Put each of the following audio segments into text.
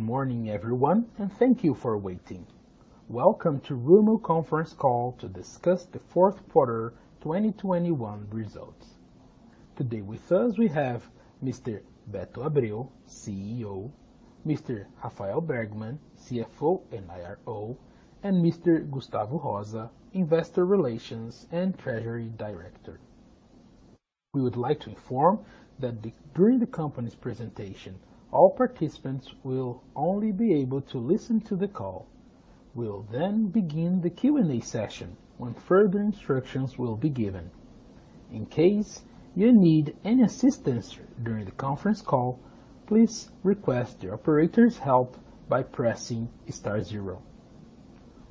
Good morning everyone, and thank you for waiting. Welcome to Rumo conference call to discuss the fourth quarter 2021 results. Today with us we have Mr. Beto Abreu, CEO, Mr. Rafael Bergman, CFO and IRO, and Mr. Gustavo Rosa, investor relations and treasury director. We would like to inform that during the company's presentation, all participants will only be able to listen to the call. We'll then begin the Q&A session when further instructions will be given. In case you need any assistance during the conference call, please request the operator's help by pressing star zero.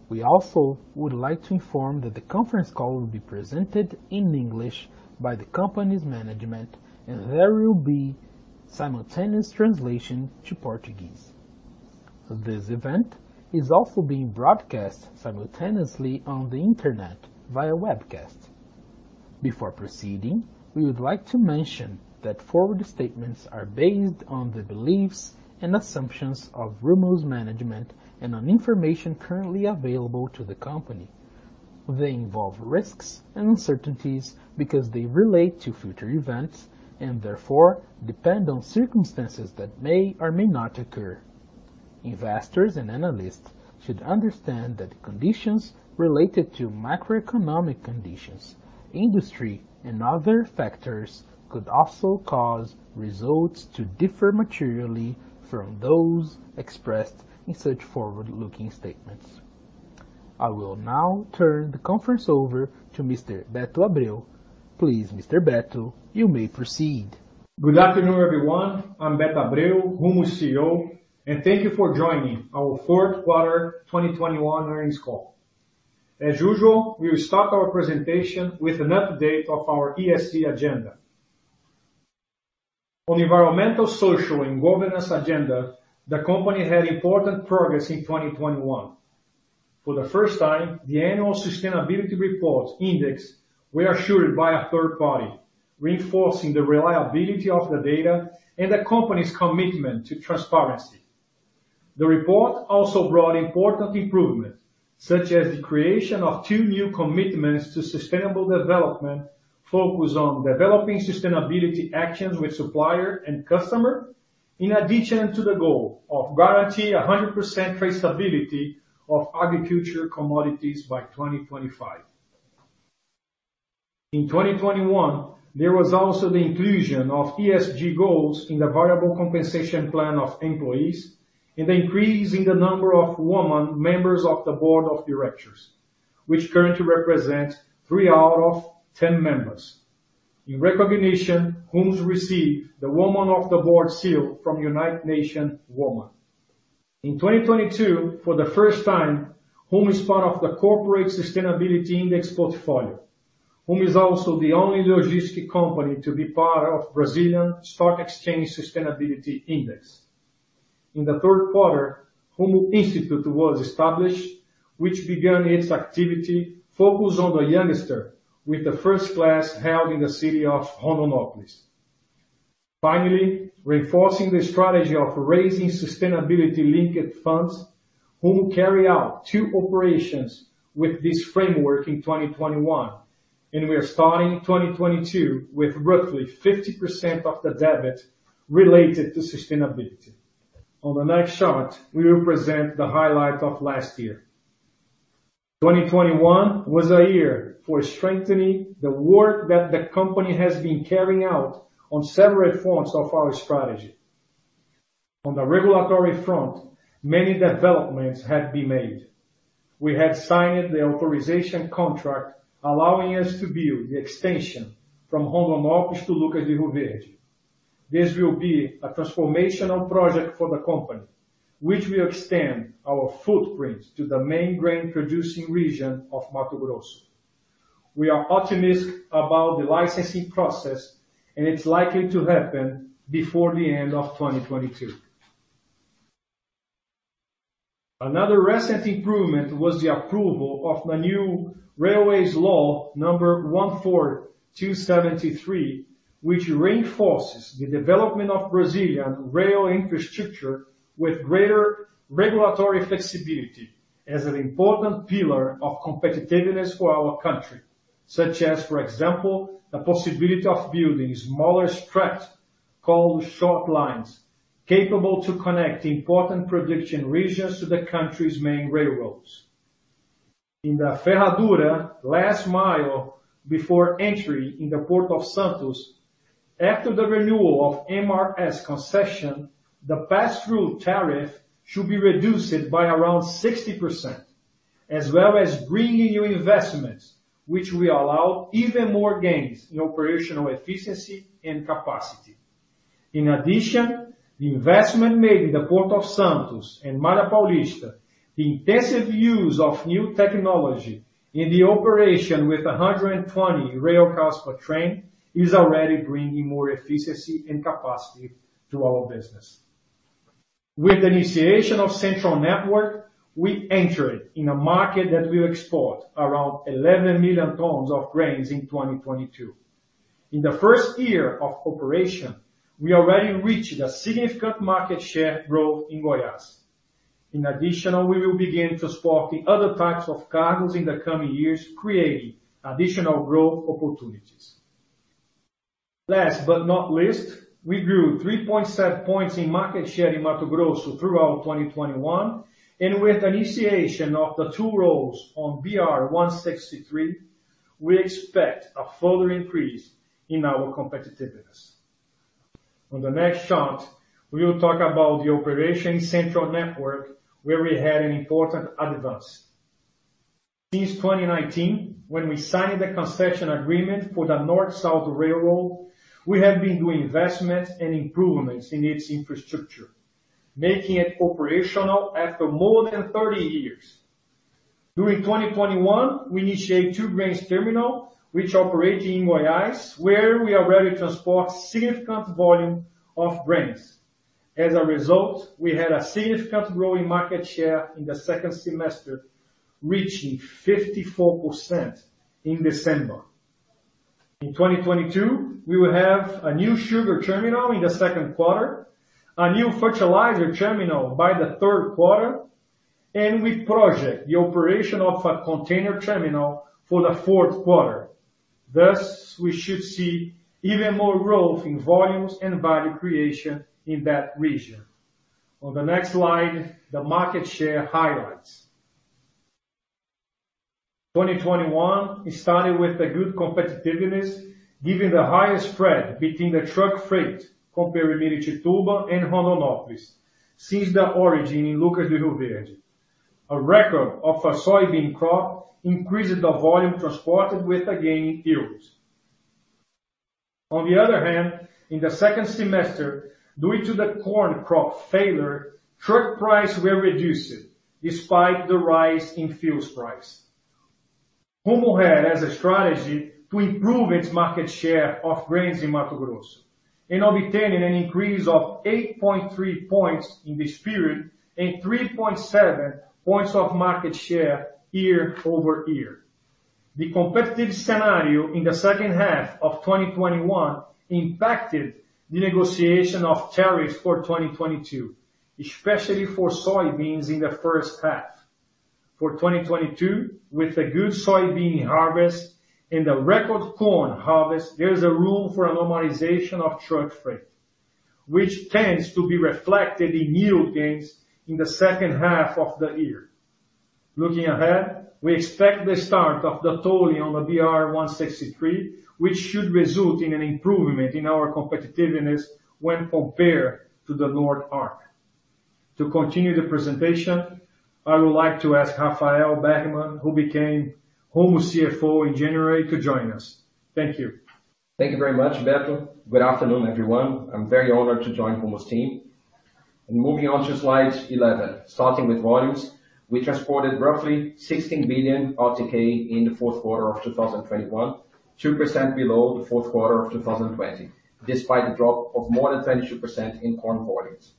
We also would like to inform that the conference call will be presented in English by the company's management, and there will be simultaneous translation to Portuguese. This event is also being broadcast simultaneously on the Internet via webcast. Before proceeding, we would like to mention that forward-looking statements are based on the beliefs and assumptions of Rumo's management and on information currently available to the company. They involve risks and uncertainties because they relate to future events and therefore depend on circumstances that may or may not occur. Investors and analysts should understand that conditions related to macroeconomic conditions, industry, and other factors could also cause results to differ materially from those expressed in such forward-looking statements. I will now turn the conference over to Mr. Beto Abreu. Please, Mr. Beto, you may proceed. Good afternoon, everyone. I'm Beto Abreu, Rumo's CEO, and thank you for joining our fourth quarter 2021 earnings call. As usual, we'll start our presentation with an update of our ESG agenda. On environmental, social, and governance agenda, the company had important progress in 2021. For the first time, the annual sustainability report index were assured by a third party, reinforcing the reliability of the data and the company's commitment to transparency. The report also brought important improvement, such as the creation of two new commitments to sustainable development focused on developing sustainability actions with supplier and customer, in addition to the goal of guarantee 100% traceability of agricultural commodities by 2025. In 2021, there was also the inclusion of ESG goals in the variable compensation plan of employees and the increase in the number of women members of the board of directors, which currently represents 3 out of 10 members. In recognition, Rumo's received the Women on Board seal from UN Women. In 2022, for the first time, Rumo is part of the Corporate Sustainability Index (ISE B3) portfolio. Rumo is also the only logistics company to be part of ISE B3. In the third quarter, Instituto Rumo was established, which began its activity focused on the youngster with the first class held in the city of Rondonópolis. Finally, reinforcing the strategy of raising sustainability-linked funds, Rumo carry out two operations with this framework in 2021, and we are starting 2022 with roughly 50% of the debt related to sustainability. On the next chart, we will present the highlight of last year. 2021 was a year for strengthening the work that the company has been carrying out on several fronts of our strategy. On the regulatory front, many developments have been made. We have signed the authorization contract allowing us to build the extension from Rondonópolis to Lucas do Rio Verde. This will be a transformational project for the company, which will extend our footprint to the main grain-producing region of Mato Grosso. We are optimistic about the licensing process, and it's likely to happen before the end of 2022. Another recent improvement was the approval of the new railways Law 14,273, which reinforces the development of Brazilian rail infrastructure with greater regulatory flexibility as an important pillar of competitiveness for our country, such as, for example, the possibility of building smaller stretch called short lines, capable to connect important production regions to the country's main railroads. In the Ferradura last mile before entry in the Port of Santos, after the renewal of MRS concession, the pass-through tariff should be reduced by around 60%, as well as bringing new investments, which will allow even more gains in operational efficiency and capacity. In addition, the investment made in the Port of Santos and Malha Paulista, the intensive use of new technology in the operation with 120 rail cars per train is already bringing more efficiency and capacity to our business. With the initiation of Central Network, we entered in a market that will export around 11 million tons of grains in 2022. In the first year of operation, we already reached a significant market share growth in Goiás. In addition, we will begin transporting other types of cargo in the coming years, creating additional growth opportunities. Last but not least, we grew 3.7 points in market share in Mato Grosso throughout 2021, and with initiation of the two roads on BR-163, we expect a further increase in our competitiveness. On the next chart, we will talk about the operation Central Network, where we had an important advance. Since 2019, when we signed the concession agreement for the North-South Railway, we have been doing investments and improvements in its infrastructure, making it operational after more than 30 years. During 2021, we initiate two grain terminals which operate in Goiás, where we already transport significant volume of grains. As a result, we had a significant growing market share in the second semester, reaching 54% in December. In 2022, we will have a new sugar terminal in the second quarter, a new fertilizer terminal by the third quarter, and we project the operation of a container terminal for the fourth quarter. Thus, we should see even more growth in volumes and value creation in that region. On the next slide, the market share highlights. 2021 started with a good competitiveness, giving the highest spread between the truck freight comparing Miritituba and Rondonópolis since the origin in Lucas do Rio Verde. A record of a soybean crop increased the volume transported with the gain in yields. On the other hand, in the second semester, due to the corn crop failure, truck prices were reduced despite the rise in fuel prices. Rumo had as a strategy to improve its market share of grains in Mato Grosso and obtained an increase of 8.3 points in this period and 3.7 points of market share year-over-year. The competitive scenario in the second half of 2021 impacted the negotiation of tariffs for 2022, especially for soybeans in the first half. For 2022, with a good soybean harvest and a record corn harvest, there is room for a normalization of truck freight, which tends to be reflected in yield gains in the second half of the year. Looking ahead, we expect the start of the tolling on the BR-163, which should result in an improvement in our competitiveness when compared to the Arco Norte. To continue the presentation, I would like to ask Rafael Bergman, who became Rumo's CFO in January, to join us. Thank you. Thank you very much, Beto. Good afternoon, everyone. I'm very honored to join Rumo's team. Moving on to slide 11. Starting with volumes, we transported roughly 16 billion RTK in the fourth quarter of 2021, 2% below the fourth quarter of 2020, despite the drop of more than 22% in corn volumes.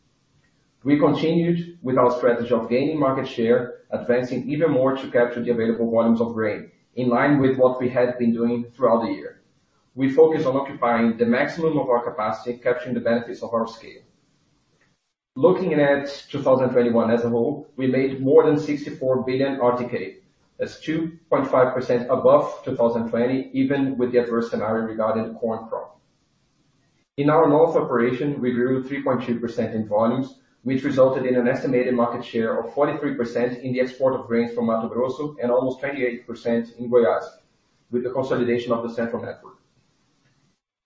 We continued with our strategy of gaining market share, advancing even more to capture the available volumes of grain, in line with what we had been doing throughout the year. We focused on occupying the maximum of our capacity, capturing the benefits of our scale. Looking at 2021 as a whole, we made more than 64 billion RTK. That's 2.5% above 2020, even with the adverse scenario regarding the corn crop. In our north operation, we grew 3.2% in volumes, which resulted in an estimated market share of 43% in the export of grains from Mato Grosso and almost 28% in Goiás, with the consolidation of the Central Network.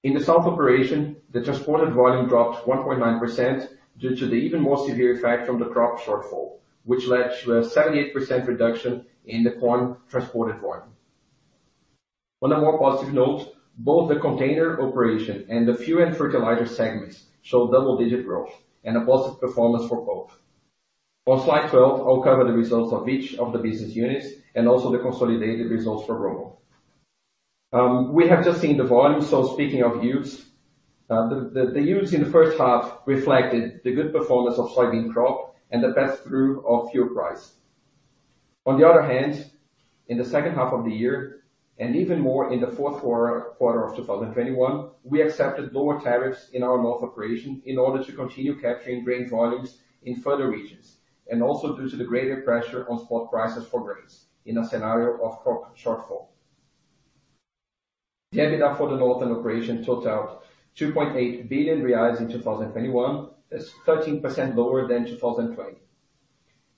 In the south operation, the transported volume dropped 1.9% due to the even more severe effect from the crop shortfall, which led to a 78% reduction in the corn transported volume. On a more positive note, both the container operation and the fuel and fertilizer segments show double-digit growth and a positive performance for both. On slide 12, I'll cover the results of each of the business units and also the consolidated results for Rumo. We have just seen the volume, so speaking of yields, the yields in the first half reflected the good performance of soybean crop and the pass-through of fuel price. On the other hand, in the second half of the year, and even more in the fourth quarter of 2021, we accepted lower tariffs in our north operation in order to continue capturing grain volumes in further regions, and also due to the greater pressure on spot prices for grains in a scenario of crop shortfall. The EBITDA for the northern operation totaled 2.8 billion reais in 2021. That's 13% lower than 2020.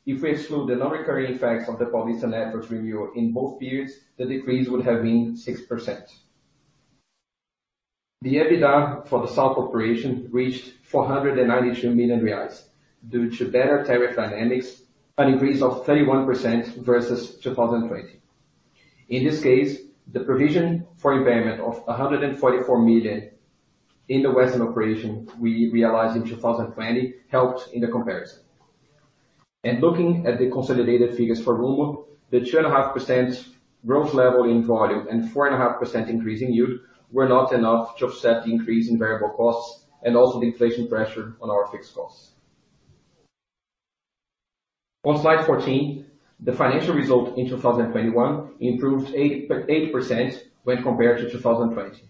If we exclude the non-recurring effects of the PP&E review in both periods, the decrease would have been 6%. The EBITDA for the south operation reached 492 million reais due to better tariff dynamics, an increase of 31% versus 2020. In this case, the provision for impairment of 144 million in the western operation we realized in 2020 helped in the comparison. Looking at the consolidated figures for Rumo, the 2.5% growth level in volume and 4.5% increase in yield were not enough to offset the increase in variable costs and also the inflation pressure on our fixed costs. On slide 14, the financial result in 2021 improved 8.8% when compared to 2020.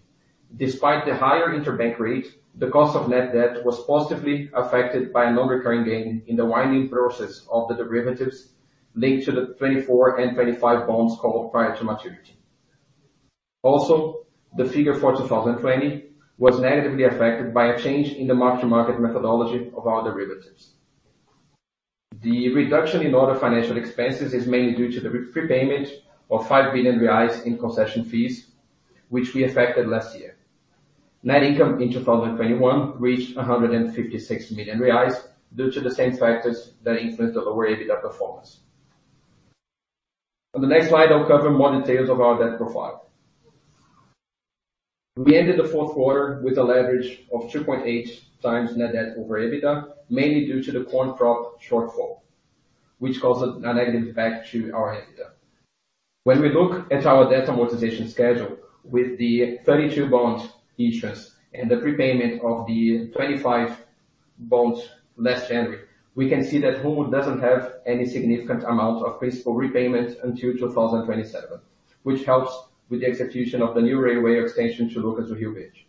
Despite the higher interbank rate, the cost of net debt was positively affected by a non-recurring gain in the winding process of the derivatives linked to the 24 and 25 bonds called prior to maturity. Also, the figure for 2020 was negatively affected by a change in the mark-to-market methodology of our derivatives. The reduction in other financial expenses is mainly due to the repayment of 5 billion reais in concession fees, which we effected last year. Net income in 2021 reached 156 million reais due to the same factors that influenced the lower EBITDA performance. On the next slide, I'll cover more details of our debt profile. We ended the fourth quarter with a leverage of 2.8 times net debt over EBITDA, mainly due to the corn crop shortfall, which caused a negative impact to our EBITDA. When we look at our debt amortization schedule with the 32 bond issuance and the prepayment of the 25 bonds last January, we can see that Rumo doesn't have any significant amount of principal repayment until 2027, which helps with the execution of the new railway extension to Lucas do Rio Verde.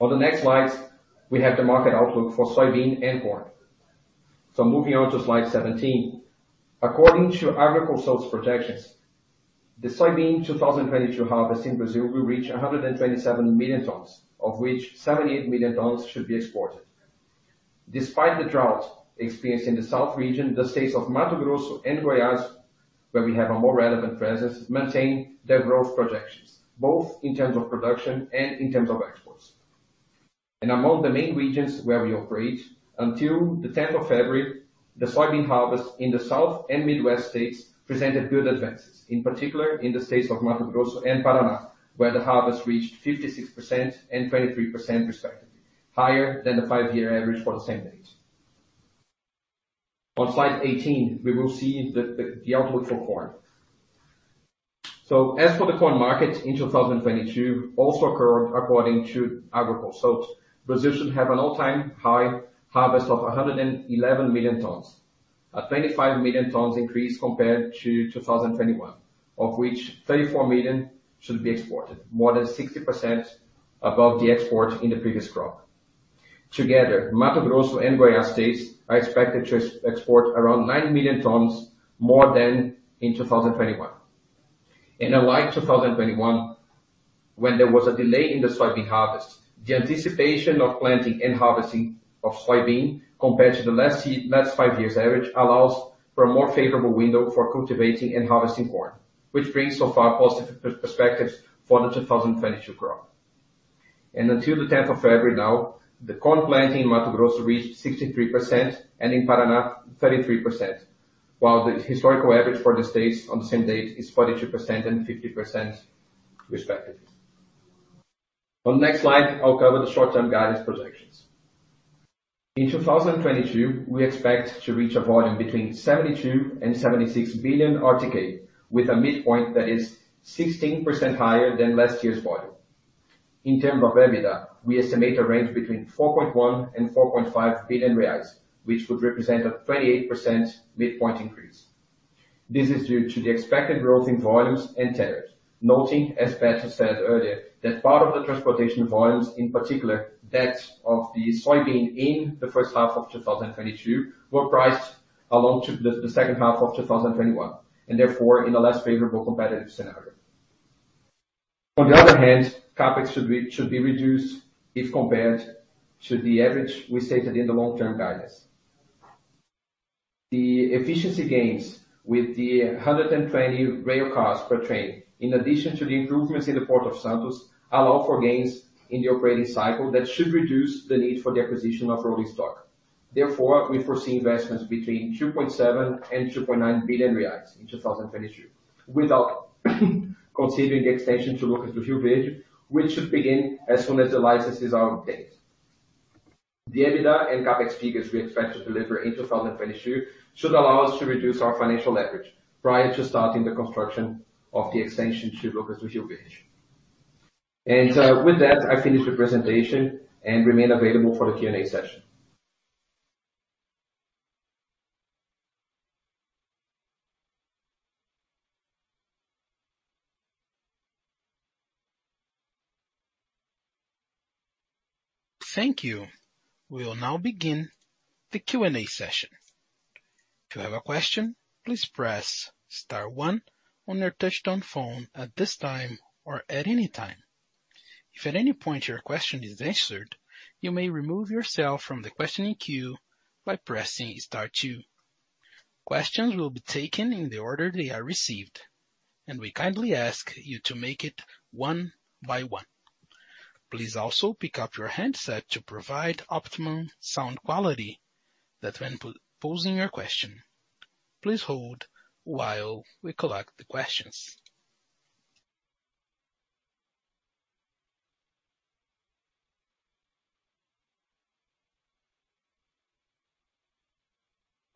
On the next slides, we have the market outlook for soybean and corn. Moving on to slide 17. According to Agroconsult projections, the soybean 2022 harvest in Brazil will reach 127 million tons, of which 78 million tons should be exported. Despite the drought experienced in the South region, the states of Mato Grosso and Goiás, where we have a more relevant presence, maintain their growth projections, both in terms of production and in terms of exports. Among the main regions where we operate, until the 10th of February, the soybean harvest in the South and Midwest states presented good advances, in particular in the states of Mato Grosso and Paraná, where the harvest reached 56% and 23% respectively, higher than the five-year average for the same date. On slide 18, we will see the outlook for corn. As for the corn market in 2022, also according to Agroconsult, Brazil should have an all-time high harvest of 111 million tons, a 25 million tons increase compared to 2021, of which 34 million should be exported, more than 60% above the export in the previous crop. Together, Mato Grosso and Goiás states are expected to export around 9 million tons more than in 2021. Unlike 2021, when there was a delay in the soybean harvest, the anticipation of planting and harvesting of soybean compared to the last five years average allows for a more favorable window for cultivating and harvesting corn, which brings so far positive perspectives for the 2022 crop. Until the 10th of February now, the corn planting in Mato Grosso reached 63% and in Paraná, 33%, while the historical average for the states on the same date is 42% and 50% respectively. On the next slide, I'll cover the short-term guidance projections. In 2022, we expect to reach a volume between 72-76 billion RTK with a midpoint that is 16% higher than last year's volume. In terms of EBITDA, we estimate a range between 4.1 billion and 4.5 billion reais, which would represent a 28% midpoint increase. This is due to the expected growth in volumes and tariffs. Noting, as Beto said earlier, that part of the transportation volumes, in particular that of the soybean in the first half of 2022, were priced at the second half of 2021, and therefore in a less favorable competitive scenario. On the other hand, CapEx should be reduced if compared to the average we stated in the long-term guidance. The efficiency gains with the 120 rail cars per train, in addition to the improvements in the Port of Santos, allow for gains in the operating cycle that should reduce the need for the acquisition of rolling stock. Therefore, we foresee investments between 2.7 billion and 2.9 billion reais in 2022, without considering the extension to Lucas do Rio Verde, which should begin as soon as the licenses are obtained. The EBITDA and CapEx figures we expect to deliver in 2022 should allow us to reduce our financial leverage prior to starting the construction of the extension to Lucas do Rio Verde. With that, I finish the presentation and remain available for the Q&A session. Thank you. We will now begin the Q&A session. If you have a question, please press star one on your touchtone phone at this time or at any time. If at any point your question is answered, you may remove yourself from the questioning queue by pressing star two. Questions will be taken in the order they are received, and we kindly ask you to make it one by one. Please also pick up your handset to provide optimum sound quality so that when posing your question. Please hold while we collect the questions.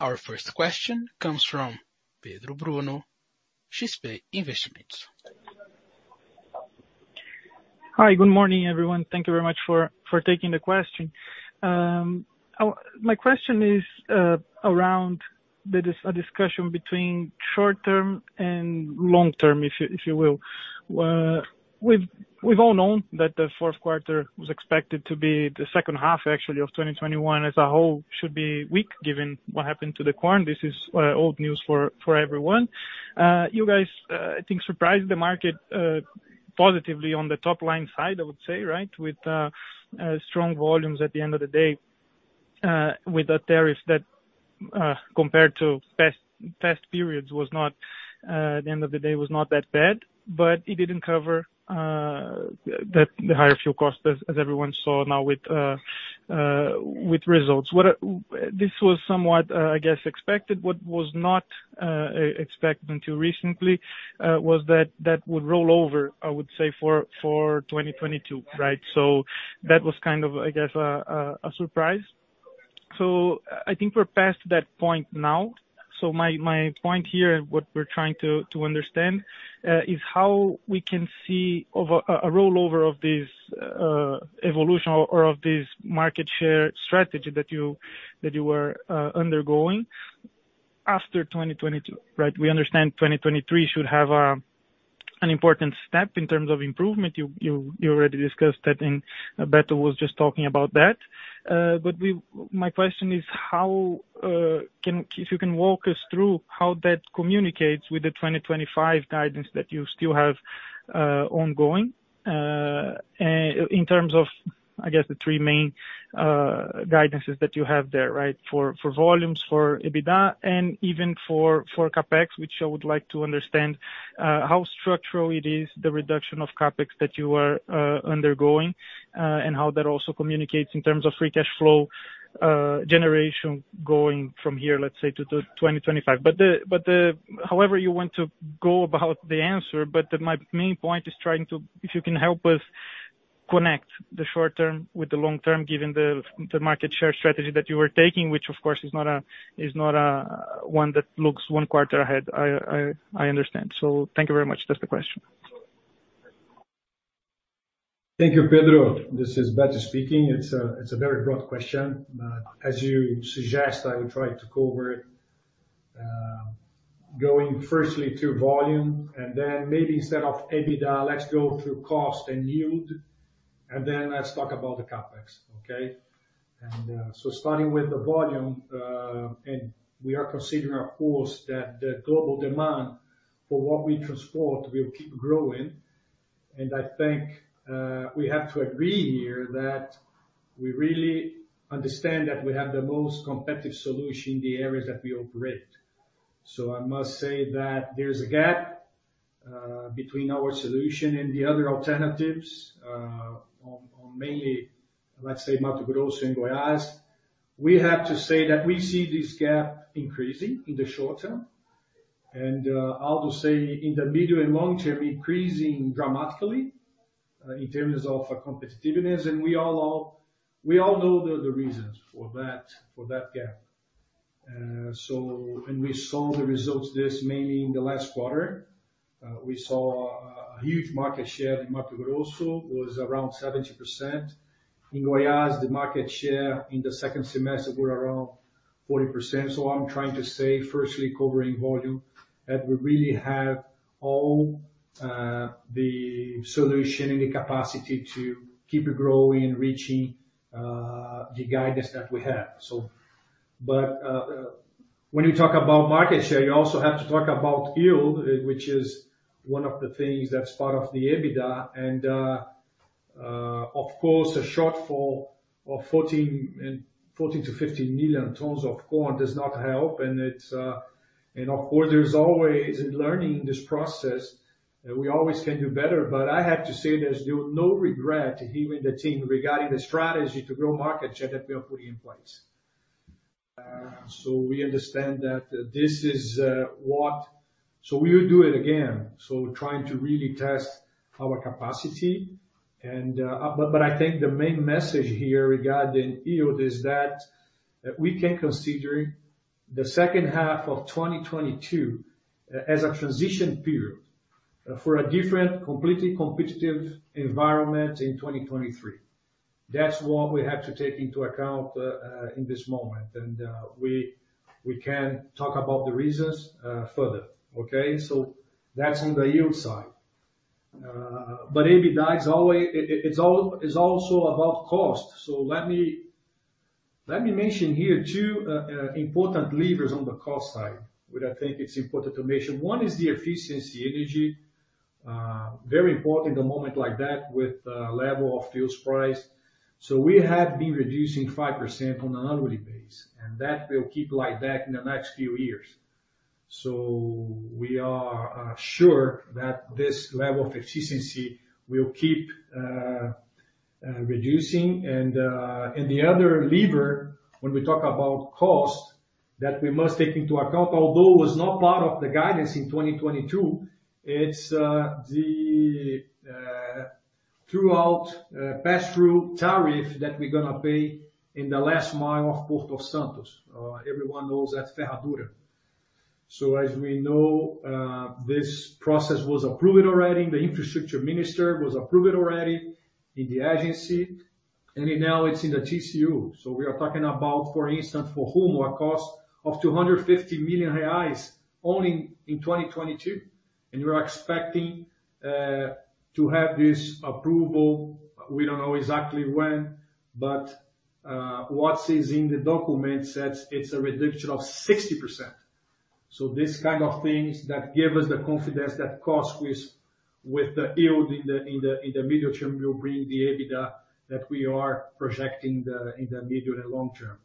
Our first question comes from Pedro Bruno, XP Investimentos. Hi, good morning, everyone. Thank you very much for taking the question. My question is around the discussion between short term and long term if you will. We've all known that the fourth quarter was expected to be the second half actually of 2021 as a whole should be weak given what happened to the corn. This is old news for everyone. You guys, I think surprised the market positively on the top line side, I would say, right? With strong volumes at the end of the day, with the tariffs that compared to past periods was not that bad at the end of the day. It didn't cover the higher fuel costs as everyone saw now with results. This was somewhat, I guess, expected. What was not expected until recently was that that would roll over, I would say, for 2022, right? That was kind of, I guess, a surprise. I think we're past that point now. My point here and what we're trying to understand is how we can see of a rollover of this evolution or of this market share strategy that you were undergoing after 2022, right? We understand 2023 should have an important step in terms of improvement. You already discussed that, and Beto was just talking about that. My question is how if you can walk us through how that communicates with the 2025 guidance that you still have ongoing. In terms of, I guess, the three main guidances that you have there, right? For volumes, for EBITDA and even for CapEx, which I would like to understand how structural it is, the reduction of CapEx that you are undergoing, and how that also communicates in terms of free cash flow generation going from here, let's say to 2025. However you want to go about the answer, my main point is if you can help us connect the short term with the long term, given the market share strategy that you are taking, which of course is not a one that looks one quarter ahead. I understand. Thank you very much. That's the question. Thank you, Pedro. This is Beto speaking. It's a very broad question, but as you suggest, I will try to cover it, going firstly through volume and then maybe instead of EBITDA, let's go through cost and yield, and then let's talk about the CapEx. Okay. Starting with the volume, and we are considering of course that the global demand for what we transport will keep growing. I think we have to agree here that we really understand that we have the most competitive solution in the areas that we operate. I must say that there's a gap between our solution and the other alternatives on mainly, let's say, Mato Grosso and Goiás. We have to say that we see this gap increasing in the short term, and I would say in the medium and long term, increasing dramatically in terms of competitiveness. We all know the reasons for that gap. We saw the results this mainly in the last quarter. We saw a huge market share in Mato Grosso was around 70%. In Goiás the market share in the second semester were around 40%. I'm trying to say firstly covering volume, that we really have all the solution and the capacity to keep it growing and reaching the guidance that we have. When you talk about market share, you also have to talk about yield, which is one of the things that's part of the EBITDA. Of course, a shortfall of 14-15 million tons of corn does not help. There's always a learning in this process. We always can do better. I have to say this, there's no regret here in the team regarding the strategy to grow market share that we are putting in place. We understand that this is what we would do again. Trying to really test our capacity and, but I think the main message here regarding yield is that we can consider the second half of 2022 as a transition period for a different, completely competitive environment in 2023. That's what we have to take into account at this moment. We can talk about the reasons further. Okay. That's on the yield side. EBITDA is always about cost. Let me mention here two important levers on the cost side, which I think it's important to mention. One is energy efficiency. Very important in a moment like that with the level of fuel prices. We have been reducing 5% on an annual basis, and that will keep like that in the next few years. We are sure that this level of efficiency will keep reducing. The other lever when we talk about cost that we must take into account, although it was not part of the guidance in 2022, it's the throughput pass-through tariff that we're gonna pay in the last mile of the Port of Santos. Everyone knows that Ferradura. As we know, this process was approved already, the infrastructure minister was approved already in the agency, and now it's in the TCU. We are talking about, for instance, for Rumo a cost of 250 million reais only in 2022. We are expecting to have this approval, we don't know exactly when, but what is in the document says it's a reduction of 60%. These kind of things that give us the confidence that cost with the yield in the medium term will bring the EBITDA that we are projecting in the medium and long term.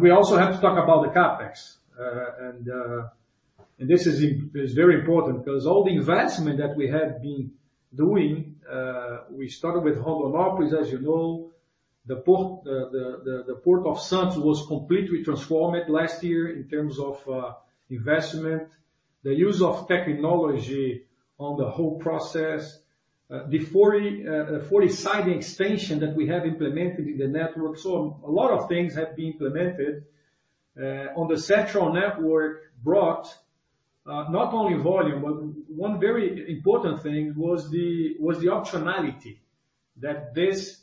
We also have to talk about the CapEx. This is very important because all the investment that we have been doing, we started with Rondonópolis, as you know, the port, the Port of Santos was completely transformed last year in terms of investment, the use of technology on the whole process, the 40 siding expansion that we have implemented in the network. A lot of things have been implemented on the Central Network brought not only volume, but one very important thing was the optionality that this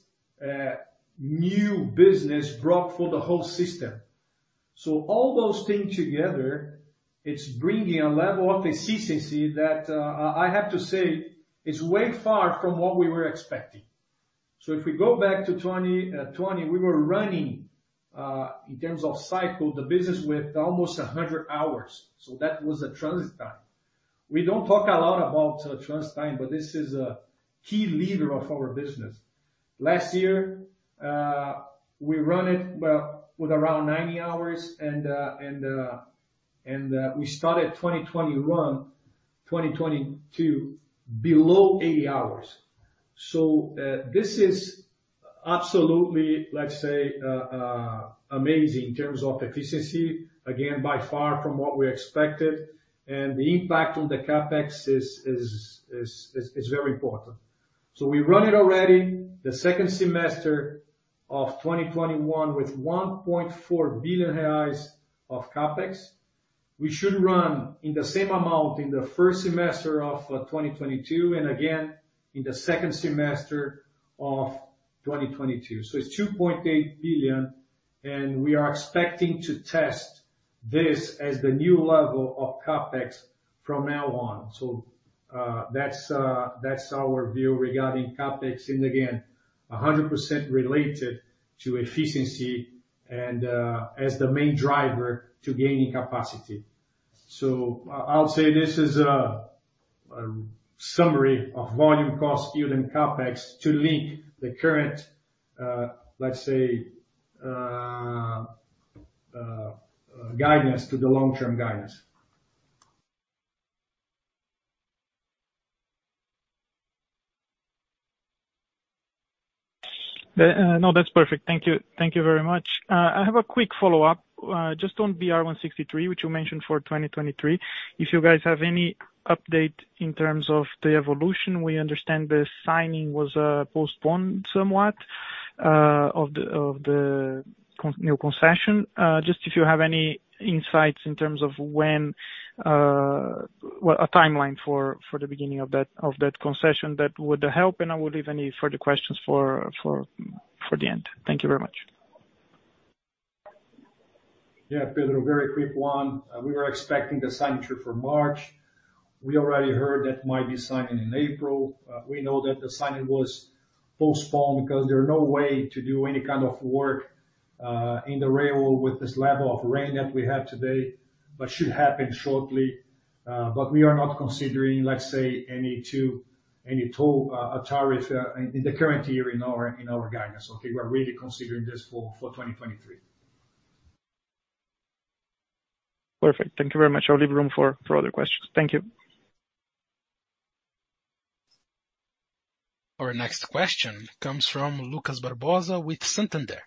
new business brought for the whole system. All those things together, it's bringing a level of efficiency that I have to say is way far from what we were expecting. If we go back to 2020, we were running, in terms of cycle, the business with almost 100 hours. That was the transit time. We don't talk a lot about transit time, but this is a key lever of our business. Last year, we run it, well, with around 90 hours and we started 2021, 2022 below 80 hours. This is absolutely, let's say, amazing in terms of efficiency, again, by far from what we expected, and the impact on the CapEx is very important. We run it already the second semester of 2021 with 1.4 billion reais of CapEx. We should run in the same amount in the first semester of 2022, and again in the second semester of 2022. It's 2.8 billion, and we are expecting to test this as the new level of CapEx from now on. That's our view regarding CapEx, and again, 100% related to efficiency and as the main driver to gaining capacity. I'll say this is a summary of volume, cost, yield, and CapEx to link the current, let's say, guidance to the long-term guidance. No, that's perfect. Thank you. Thank you very much. I have a quick follow-up, just on BR-163, which you mentioned for 2023. If you guys have any update in terms of the evolution. We understand the signing was postponed somewhat, of the new concession. Just if you have any insights in terms of when. Well, a timeline for the beginning of that concession, that would help, and I will leave any further questions for the end. Thank you very much. Yeah, Pedro, very quick one. We were expecting the signature for March. We already heard that it might be signed in April. We know that the signing was postponed because there's no way to do any kind of work in the rail with this level of rain that we have today, but should happen shortly. But we are not considering, let's say, any toll, a tariff, in the current year in our guidance, okay? We are really considering this for 2023. Perfect. Thank you very much. I'll leave room for other questions. Thank you. Our next question comes from Lucas Barbosa with Santander.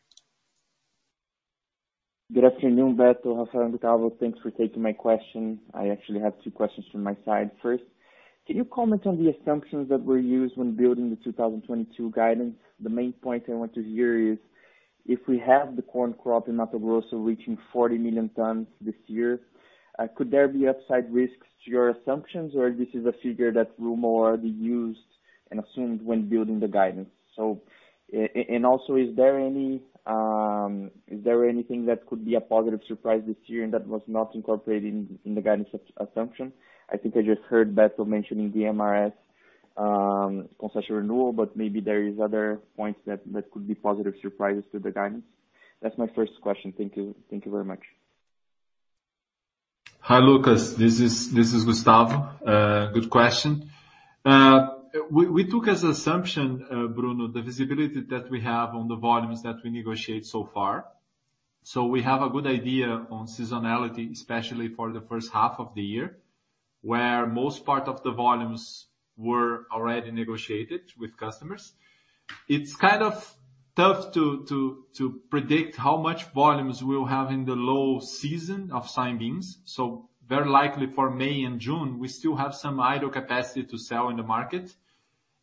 Good afternoon, Beto, Rafael and Gustavo. Thanks for taking my question. I actually have two questions from my side. First, can you comment on the assumptions that were used when building the 2022 guidance? The main point I want to hear is, if we have the corn crop in Mato Grosso reaching 40 million tons this year, could there be upside risks to your assumptions, or this is a figure that Rumo already used and assumed when building the guidance? Is there anything that could be a positive surprise this year and that was not incorporated in the guidance assumption? I think I just heard Beto mentioning the MRS concession renewal, but maybe there is other points that could be positive surprises to the guidance. That's my first question. Thank you. Thank you very much. Hi, Lucas. This is Gustavo. Good question. We took as assumption, Bruno, the visibility that we have on the volumes that we negotiate so far. We have a good idea on seasonality, especially for the first half of the year, where most part of the volumes were already negotiated with customers. It's kind of tough to predict how much volumes we'll have in the low season of soybeans. Very likely for May and June, we still have some idle capacity to sell in the market.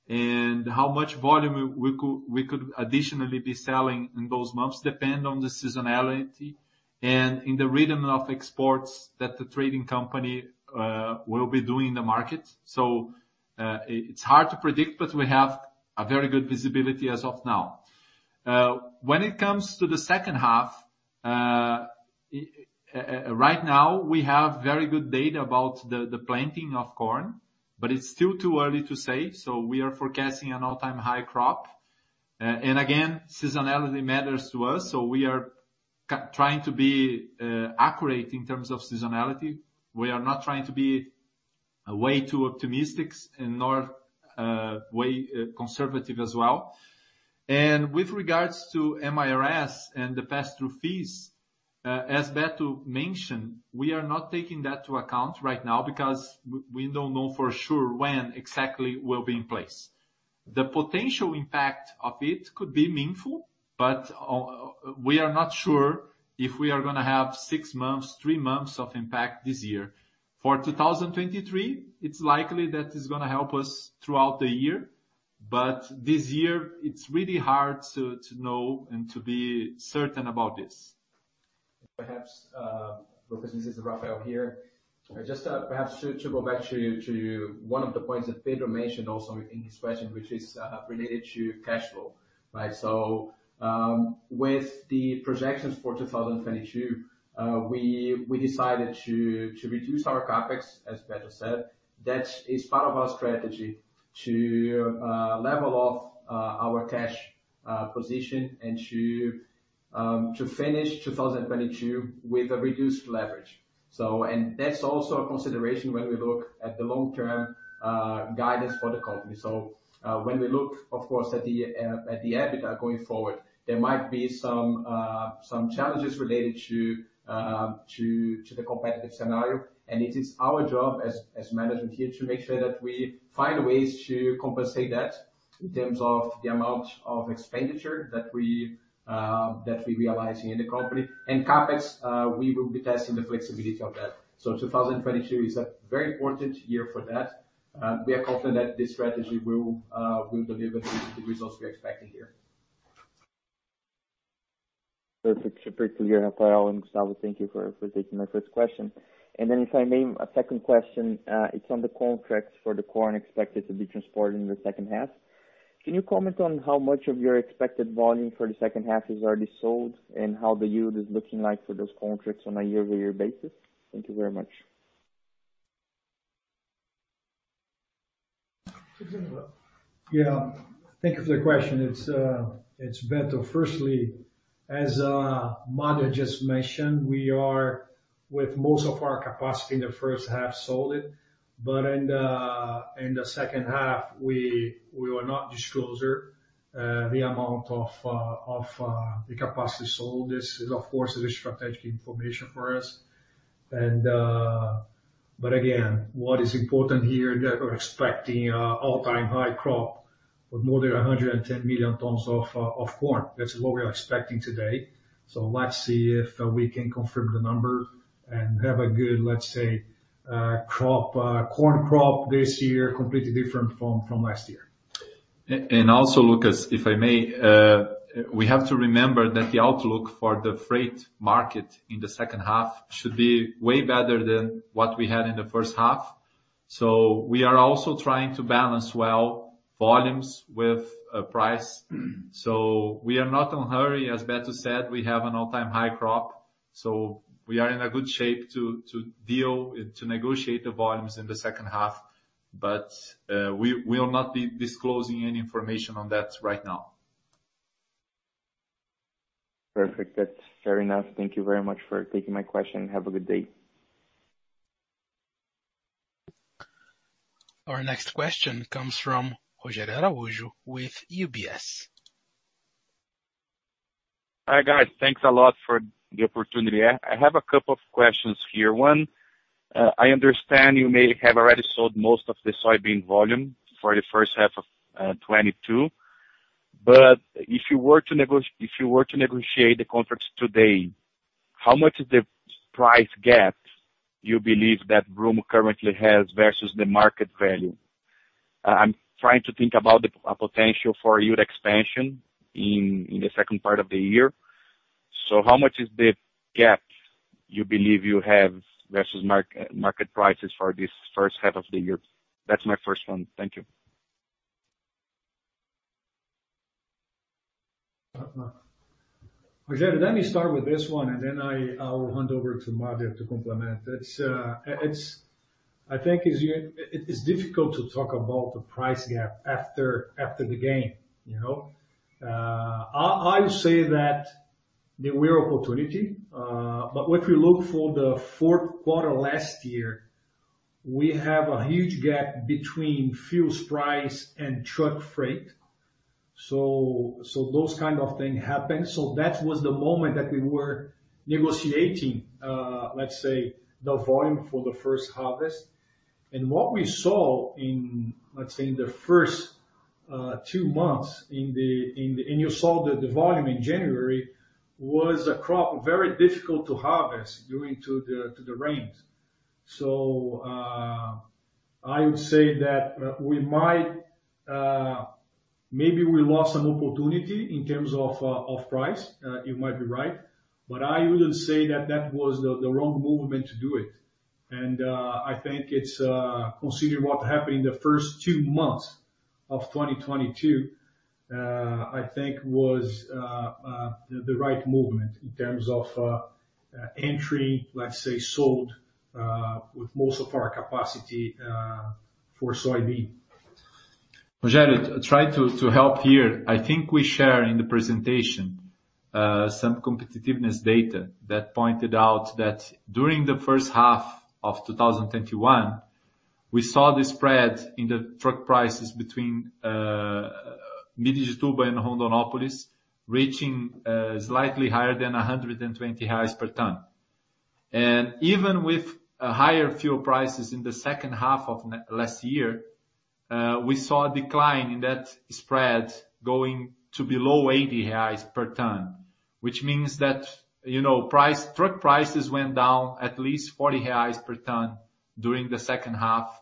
How much volume we could additionally be selling in those months depend on the seasonality and in the rhythm of exports that the trading company will be doing in the market. It's hard to predict, but we have a very good visibility as of now. When it comes to the second half, right now we have very good data about the planting of corn, but it's still too early to say, so we are forecasting an all-time high crop. Again, seasonality matters to us, so we are trying to be accurate in terms of seasonality. We are not trying to be way too optimistic and nor way conservative as well. With regards to MRS and the pass-through fees, as Beto mentioned, we are not taking that into account right now because we don't know for sure when exactly will be in place. The potential impact of it could be meaningful, but we are not sure if we are gonna have six months, three months of impact this year. For 2023, it's likely that it's gonna help us throughout the year, but this year it's really hard to know and to be certain about this. Perhaps, because this is Rafael here. Just, perhaps to go back to one of the points that Pedro mentioned also in his question, which is related to cash flow, right? With the projections for 2022, we decided to reduce our CapEx, as Pedro said. That is part of our strategy to level off our cash position and to finish 2022 with a reduced leverage. That's also a consideration when we look at the long-term guidance for the company. When we look, of course, at the EBITDA going forward, there might be some challenges related to the competitive scenario. It is our job as management here to make sure that we find ways to compensate that in terms of the amount of expenditure that we're realizing in the company. CapEx, we will be testing the flexibility of that. 2022 is a very important year for that. We are confident that this strategy will deliver the results we are expecting here. Perfect. Rafael and Gustavo, thank you for taking my first question. If I may, a second question, it's on the contracts for the corn expected to be transported in the second half. Can you comment on how much of your expected volume for the second half is already sold and how the yield is looking like for those contracts on a year-over-year basis? Thank you very much. Yeah. Thank you for the question. It's Beto. Firstly, as Mario just mentioned, we are with most of our capacity in the first half sold out, but in the second half, we will not disclose the amount of the capacity sold. This is of course strategic information for us. Again, what is important here is that we're expecting an all-time high crop of more than 110 million tons of corn. That's what we are expecting today. Let's see if we can confirm the number and have a good, let's say, corn crop this year, completely different from last year. Lucas, if I may, we have to remember that the outlook for the freight market in the second half should be way better than what we had in the first half. We are also trying to balance well volumes with price. We are not in a hurry, as Beto said, we have an all-time high crop, so we are in a good shape to deal and to negotiate the volumes in the second half. We will not be disclosing any information on that right now. Perfect. That's fair enough. Thank you very much for taking my question. Have a good day. Our next question comes from Rogério Araújo with UBS. Hi, guys. Thanks a lot for the opportunity. I have a couple of questions here. One, I understand you may have already sold most of the soybean volume for the first half of 2022, but if you were to negotiate the contracts today, how much is the price gap you believe that Rumo currently has versus the market value? I'm trying to think about a potential for yield expansion in the second part of the year. How much is the gap you believe you have versus market prices for this first half of the year? That's my first one. Thank you. Rogério, let me start with this one, and then I will hand over to Mario to complement. It is difficult to talk about the price gap after the gain, you know. I would say that there were opportunity, but if you look for the fourth quarter last year, we have a huge gap between fuels price and truck freight. Those kind of thing happened. That was the moment that we were negotiating, let's say, the volume for the first harvest. What we saw in, let's say, in the first two months in the... You saw that the volume in January was a crop very difficult to harvest due to the rains. I would say that we might maybe we lost an opportunity in terms of price, you might be right, but I wouldn't say that was the wrong movement to do it. I think it's considering what happened in the first 2 months of 2022, I think was the right movement in terms of entry, let's say, sold with most of our capacity for soybean. Rogério, try to help here. I think we share in the presentation some competitiveness data that pointed out that during the first half of 2021, we saw the spread in the truck prices between Miritituba and Rondonópolis reaching slightly higher than 120 reais per ton. Even with higher fuel prices in the second half of last year, we saw a decline in that spread going to below 80 reais per ton, which means that, you know, truck prices went down at least 40 reais per ton during the second half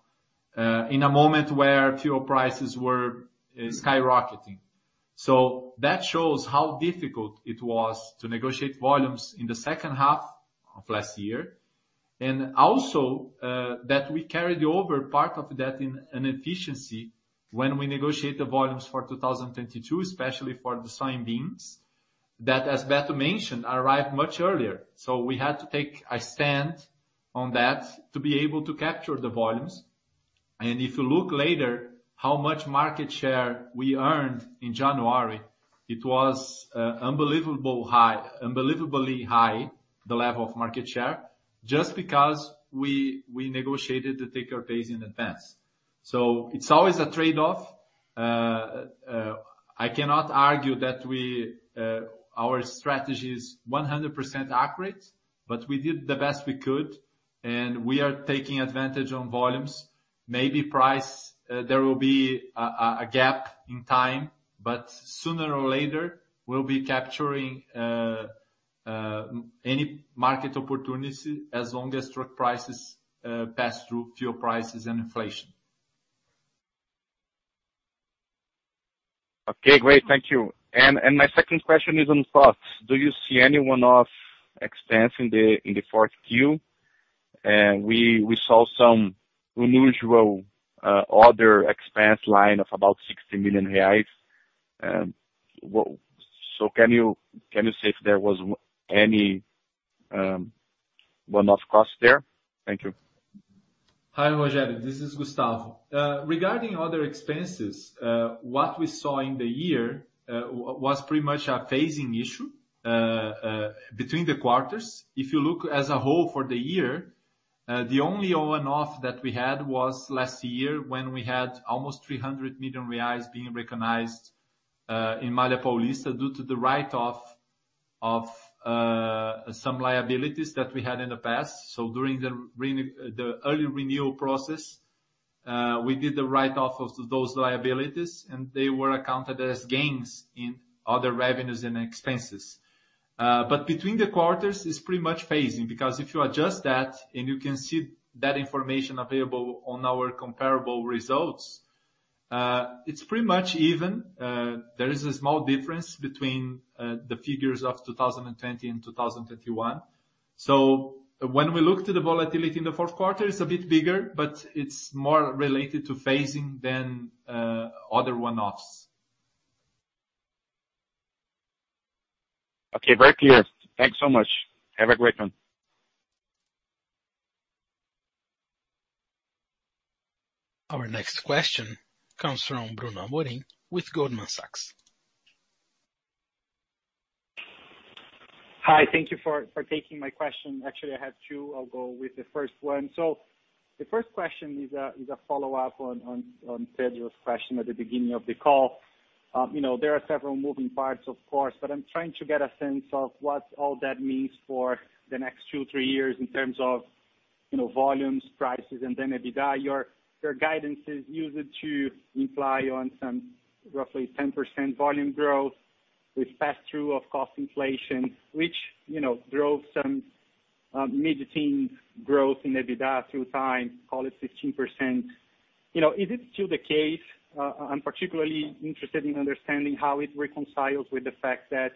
in a moment where fuel prices were skyrocketing. That shows how difficult it was to negotiate volumes in the second half of last year. Also, that we carried over part of that in an efficiency when we negotiate the volumes for 2022, especially for the soybeans, that, as Beto mentioned, arrived much earlier. We had to take a stand on that to be able to capture the volumes. If you look later how much market share we earned in January, it was unbelievably high, the level of market share, just because we negotiated the take-or-pay base in advance. It's always a trade-off. I cannot argue that we, our strategy is 100% accurate, but we did the best we could, and we are taking advantage on volumes. Maybe price, there will be a gap in time, but sooner or later we'll be capturing any market opportunity as long as truck prices pass through fuel prices and inflation. Okay, great. Thank you. My second question is on costs. Do you see any one-off expense in the fourth Q? We saw some unusual other expense line of about 60 million reais. Can you say if there was any one-off cost there? Thank you. Hi, Rogério. This is Gustavo. Regarding other expenses, what we saw in the year was pretty much a phasing issue between the quarters. If you look as a whole for the year, the only offset that we had was last year when we had almost 300 million reais being recognized in Malha Paulista due to the write-off of some liabilities that we had in the past. During the early renewal process, we did the write-off of those liabilities, and they were accounted as gains in other revenues and expenses. Between the quarters is pretty much phasing, because if you adjust that, and you can see that information available on our comparable results, it's pretty much even. There is a small difference between the figures of 2020 and 2021. When we look to the volatility in the fourth quarter, it's a bit bigger, but it's more related to phasing than other one-offs. Okay. Very clear. Thanks so much. Have a great one. Our next question comes from Bruno Amorim with Goldman Sachs. Hi. Thank you for taking my question. Actually, I have two. I'll go with the first one. The first question is a follow-up on Pedro's question at the beginning of the call. You know, there are several moving parts, of course, but I'm trying to get a sense of what all that means for the next 2-3 years in terms of, you know, volumes, prices, and then EBITDA. Your guidance is used to imply on some roughly 10% volume growth with pass-through of cost inflation, which, you know, drove some mid-teen growth in EBITDA through time, call it 16%. You know, is it still the case? I'm particularly interested in understanding how it reconciles with the fact that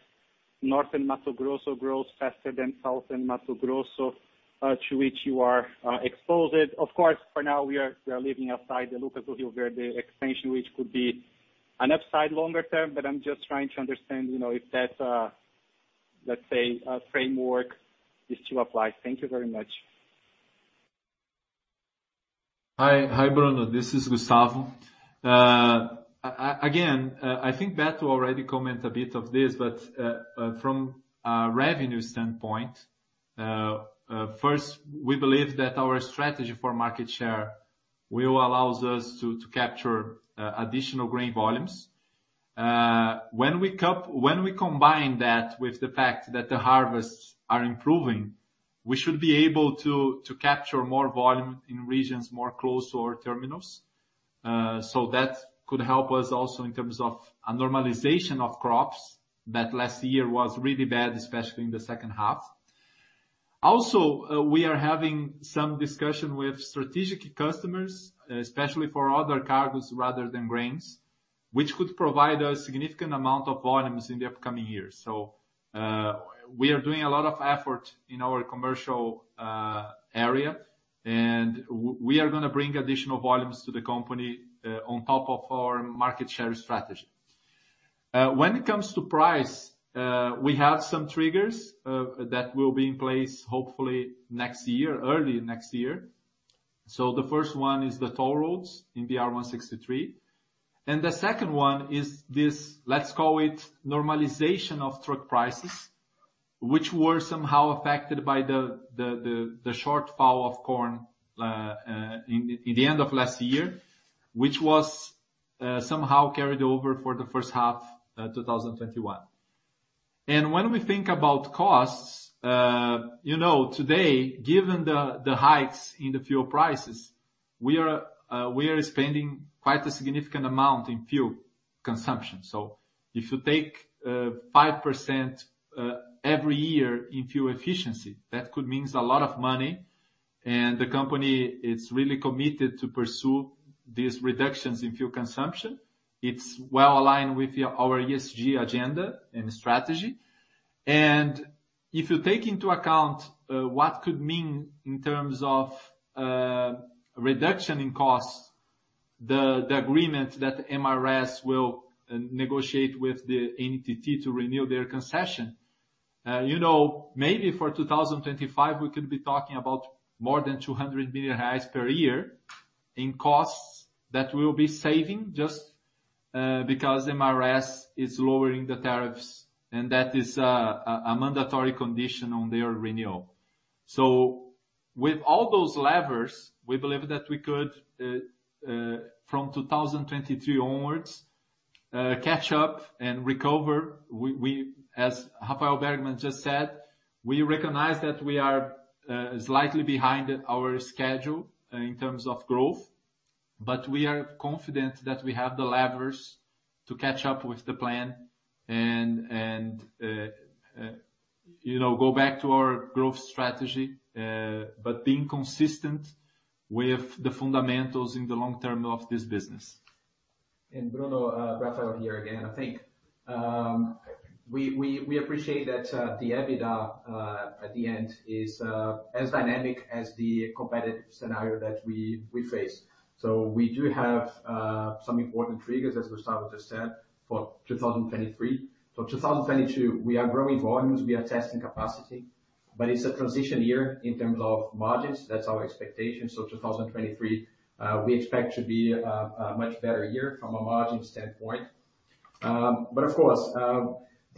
Northern Mato Grosso grows faster than Southern Mato Grosso, to which you are exposed. Of course, for now we are leaving outside the Lucas do Rio Verde expansion, which could be an upside longer term. I'm just trying to understand, you know, if that, let's say, framework is to apply. Thank you very much. Hi. Hi, Bruno. This is Gustavo. Again, I think Beto already comment a bit of this, but, from a revenue standpoint, first, we believe that our strategy for market share will allows us to capture additional grain volumes. When we combine that with the fact that the harvests are improving, we should be able to capture more volume in regions more close to our terminals. That could help us also in terms of a normalization of crops that last year was really bad, especially in the second half. Also, we are having some discussion with strategic customers, especially for other cargoes rather than grains, which could provide a significant amount of volumes in the upcoming years. We are doing a lot of effort in our commercial area, and we are gonna bring additional volumes to the company on top of our market share strategy. When it comes to price, we have some triggers that will be in place hopefully next year, early next year. The first one is the toll roads in BR-163. The second one is this, let's call it normalization of truck prices, which were somehow affected by the shortfall of corn in the end of last year, which was somehow carried over for the first half 2021. When we think about costs, you know, today, given the hikes in the fuel prices, we are spending quite a significant amount in fuel consumption. If you take 5% every year in fuel efficiency, that could mean a lot of money, and the company is really committed to pursue these reductions in fuel consumption. It's well aligned with our ESG agenda and strategy. If you take into account what could mean in terms of reduction in costs, the agreement that MRS will negotiate with the ANTT to renew their concession, you know, maybe for 2025, we could be talking about more than 200 million reais per year in costs that we'll be saving just because MRS is lowering the tariffs, and that is a mandatory condition on their renewal. With all those levers, we believe that we could from 2023 onwards catch up and recover. As Rafael Bergman just said, we recognize that we are slightly behind our schedule in terms of growth, but we are confident that we have the levers to catch up with the plan and you know go back to our growth strategy, but being consistent with the fundamentals in the long term of this business. Bruno, Rafael here again, I think, we appreciate that the EBITDA at the end is as dynamic as the competitive scenario that we face. We do have some important triggers, as Gustavo just said, for 2023. For 2022, we are growing volumes, we are testing capacity, but it's a transition year in terms of margins. That's our expectation. 2023, we expect to be a much better year from a margin standpoint. But of course,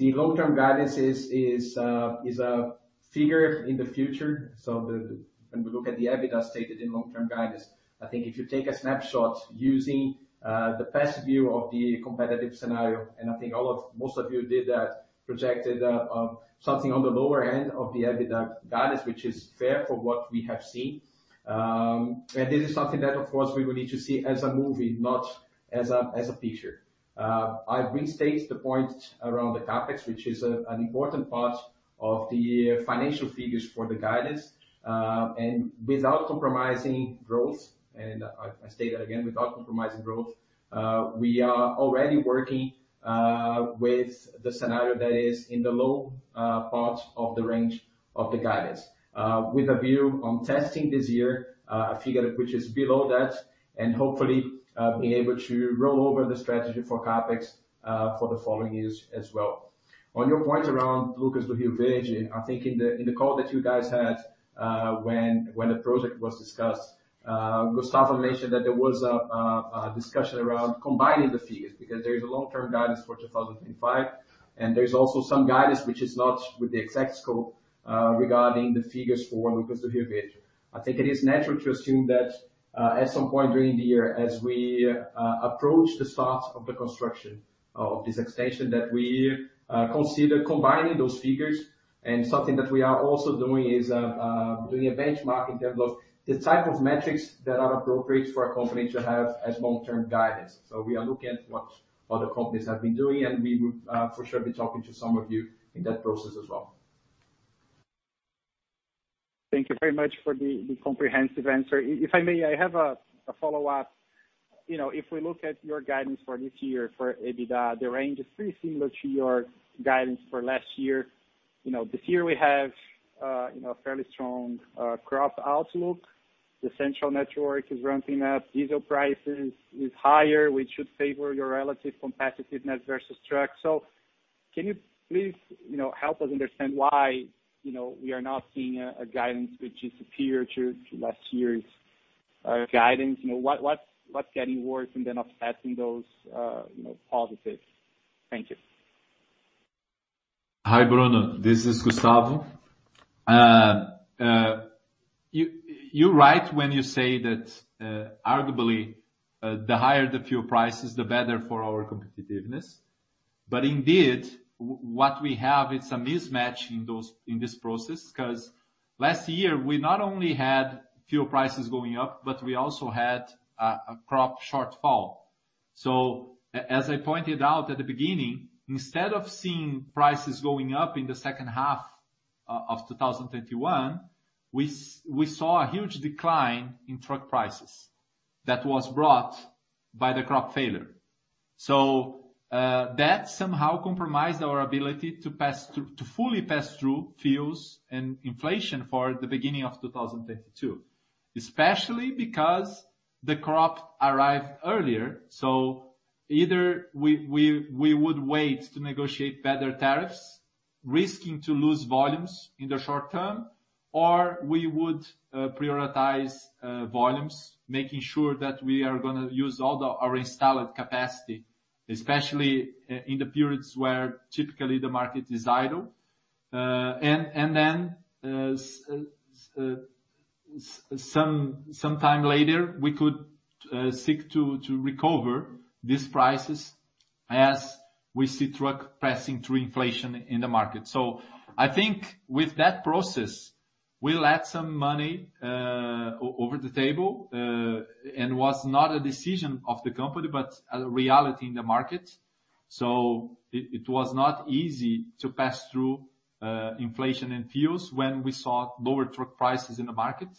the long-term guidance is a figure in the future. When we look at the EBITDA stated in long-term guidance, I think if you take a snapshot using the best view of the competitive scenario, and I think most of you did that, projected something on the lower end of the EBITDA guidance, which is fair for what we have seen. This is something that, of course, we will need to see as a movie, not as a picture. I restate the point around the CapEx, which is an important part of the financial figures for the guidance, and without compromising growth, and I state that again, without compromising growth, we are already working with the scenario that is in the low part of the range of the guidance, with a view on testing this year a figure which is below that and hopefully being able to roll over the strategy for CapEx for the following years as well. On your point around Lucas do Rio Verde, I think in the call that you guys had, when the project was discussed, Gustavo mentioned that there was a discussion around combining the figures, because there is a long-term guidance for 2025, and there's also some guidance which is not with the exact scope, regarding the figures for Lucas do Rio Verde. I think it is natural to assume that, at some point during the year, as we approach the start of the construction of this extension, that we consider combining those figures. Something that we are also doing is doing a benchmark in terms of the type of metrics that are appropriate for a company to have as long-term guidance. We are looking at what other companies have been doing, and we will, for sure, be talking to some of you in that process as well. Thank you very much for the comprehensive answer. If I may, I have a follow-up. You know, if we look at your guidance for this year for EBITDA, the range is pretty similar to your guidance for last year. You know, this year we have, you know, fairly strong crop outlook. The Central Network is ramping up. Diesel prices is higher, which should favor your relative competitiveness versus trucks. Can you please, you know, help us understand why, you know, we are not seeing a guidance which is superior to last year's guidance? You know, what's getting worse and then offsetting those, you know, positives? Thank you. Hi, Bruno. This is Gustavo. You're right when you say that, arguably, the higher the fuel prices, the better for our competitiveness. Indeed, what we have is a mismatch in those, in this process, 'cause last year we not only had fuel prices going up, but we also had a crop shortfall. As I pointed out at the beginning, instead of seeing prices going up in the second half of 2021, we saw a huge decline in truck prices that was brought by the crop failure. That somehow compromised our ability to pass through, to fully pass through fuels and inflation for the beginning of 2022, especially because the crop arrived earlier. Either we would wait to negotiate better tariffs, risking to lose volumes in the short term, or we would prioritize volumes, making sure that we are gonna use all our installed capacity, especially in the periods where typically the market is idle. Some time later, we could seek to recover these prices as we see trucks passing through inflation in the market. I think with that process, we left some money on the table. It was not a decision of the company, but a reality in the market. It was not easy to pass through inflation and fuel when we saw lower truck prices in the market.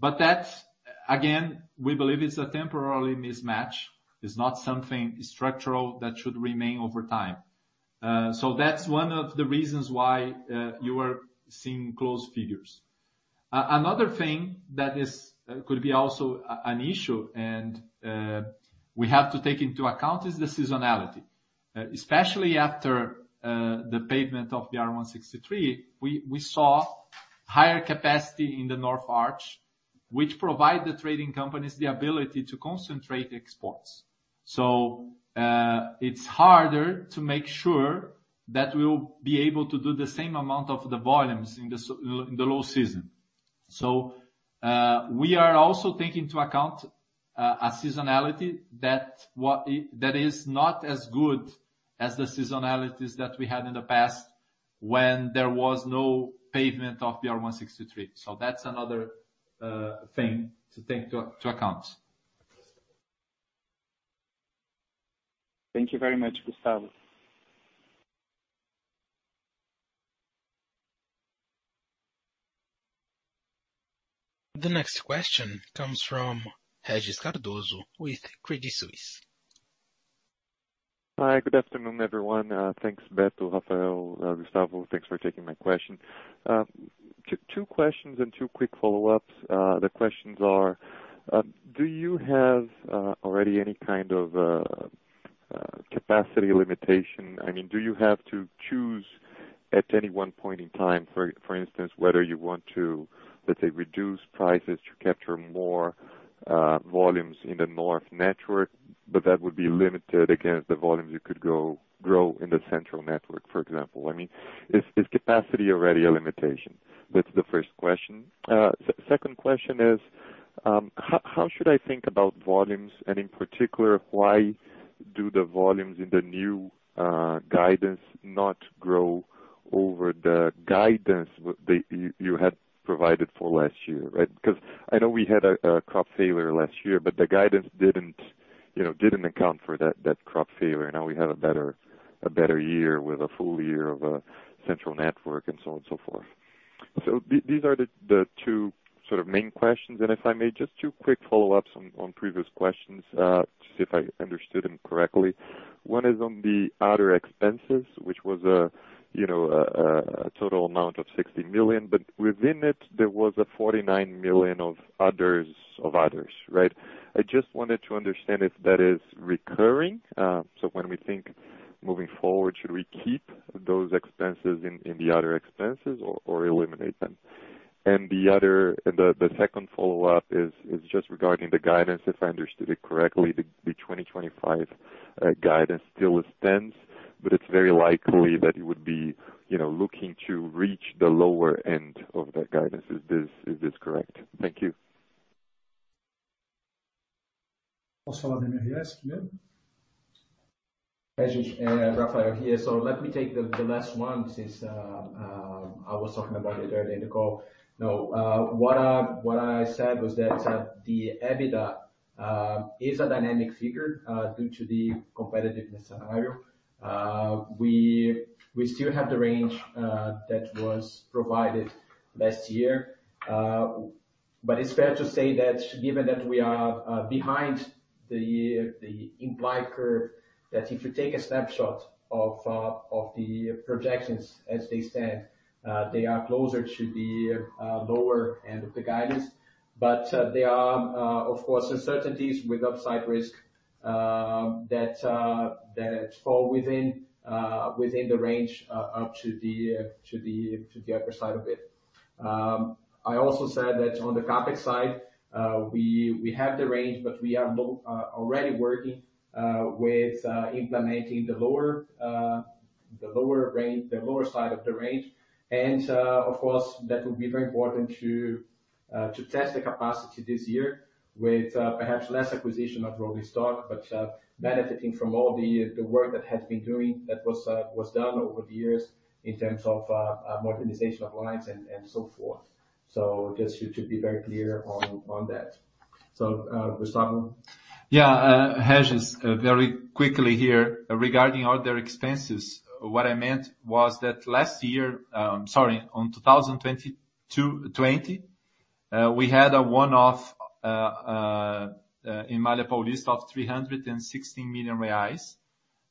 That's again, we believe it's a temporary mismatch. It's not something structural that should remain over time. That's one of the reasons why you are seeing close figures. Another thing that could be also an issue and we have to take into account is the seasonality. Especially after the pavement of the BR-163, we saw higher capacity in the Arco Norte, which provide the trading companies the ability to concentrate exports. It's harder to make sure that we'll be able to do the same amount of the volumes in the low season. We are also taking into account a seasonality that is not as good as the seasonalities that we had in the past when there was no pavement of the BR-163. That's another thing to take into account. Thank you very much, Gustavo. The next question comes from Regis Cardoso with Credit Suisse. Hi, good afternoon, everyone. Thanks, Beto, Rafael, Gustavo, thanks for taking my question. Two questions and two quick follow-ups. The questions are, do you have already any kind of capacity limitation? I mean, do you have to choose at any one point in time, for instance, whether you want to, let's say, reduce prices to capture more volumes in the North network, but that would be limited against the volumes you could grow in the Central Network, for example? I mean, is capacity already a limitation? That's the first question. Second question is, how should I think about volumes, and in particular, why do the volumes in the new guidance not grow over the guidance that you had provided for last year, right? Cause I know we had a crop failure last year, but the guidance didn't account for that crop failure. Now we have a better year with a full year of a Central Network and so on and so forth. These are the two sort of main questions. If I may, just two quick follow-ups on previous questions to see if I understood them correctly. One is on the other expenses, which was a total amount of 60 million, but within it, there was a 49 million of others, right? I just wanted to understand if that is recurring. When we think moving forward, should we keep those expenses in the other expenses or eliminate them? The second follow-up is just regarding the guidance. If I understood it correctly, the 2025 guidance still stands, but it's very likely that it would be, you know, looking to reach the lower end of that guidance. Is this correct? Thank you. Regis, Rafael here. Let me take the last one since I was talking about it earlier in the call. No, what I said was that the EBITDA is a dynamic figure due to the competitiveness scenario. We still have the range that was provided last year. It's fair to say that given that we are behind the implied curve, that if you take a snapshot of the projections as they stand, they are closer to the lower end of the guidance. There are, of course, uncertainties with upside risk that fall within the range up to the upper side of it. I also said that on the CapEx side, we have the range, but we are already working with implementing the lower range, the lower side of the range. Of course, that will be very important to test the capacity this year with perhaps less acquisition of raw material stock, but benefiting from all the work that has been done over the years in terms of modernization of lines and so forth. Just you should be very clear on that. Gustavo. Yeah, Regis, very quickly here regarding other expenses, what I meant was that last year. Sorry, on 2022, we had a one-off in Malha Paulista of 360 million reais.